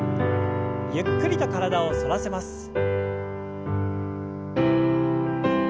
ゆっくりと体を反らせます。